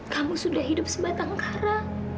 kamu sudah hidup sebatang karang